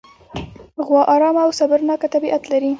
غوا ارامه او صبرناکه طبیعت لري.